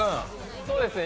そうですね。